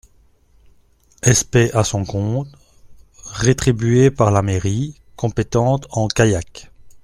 SP à son compte, rétribuée par la mairie, compétente en kayak.